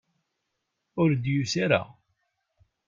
Ur d-yusi ara.